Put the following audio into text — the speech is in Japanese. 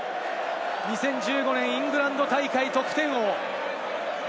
２０１５年、イングランド大会、得点王。